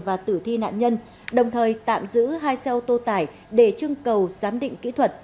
và tử thi nạn nhân đồng thời tạm giữ hai xe ô tô tải để trưng cầu giám định kỹ thuật